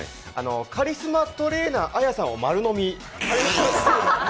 カリスマトレーナー・ＡＹＡさんを丸飲み？